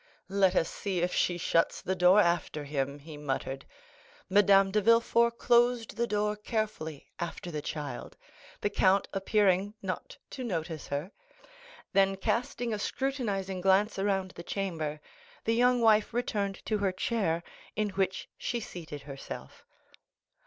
"Let us see if she shuts the door after him," he muttered. Madame de Villefort closed the door carefully after the child, the count appearing not to notice her; then casting a scrutinizing glance around the chamber, the young wife returned to her chair, in which she seated herself.